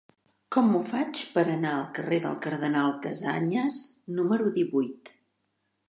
Com ho faig per anar al carrer del Cardenal Casañas número divuit?